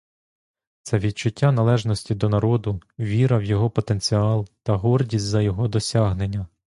Це відчуття належності до народу, віра в його потенціал та гордість за його досягнення.